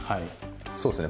そうですね